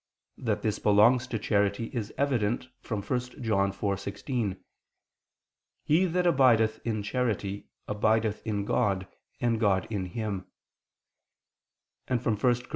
That this belongs to charity is evident from 1 John 4:16: "He that abideth in charity, abideth in God, and God in him," and from 1 Cor.